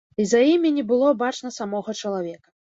І за імі не было бачна самога чалавека.